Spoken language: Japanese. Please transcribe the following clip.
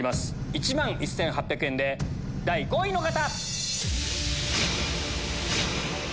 １万１８００円で第５位の方！